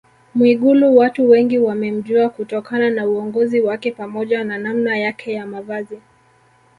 Mwigulu watu wengi wamemjua kutokana na uongozi wake pamoja na namna yake ya Mavazi